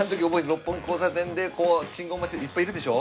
六本木交差点で信号待ちでいっぱいいるでしょ。